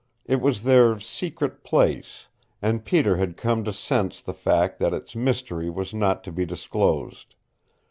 It was their "secret place," and Peter had come to sense the fact that its mystery was not to be disclosed.